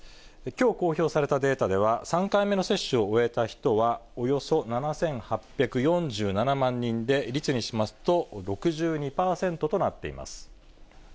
きょう公表されたデータでは、３回目の接種を終えた人は、およそ７８４７万人で、率にしますと６２％となっています。